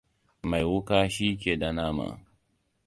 Mai wuƙa shi ke da nama.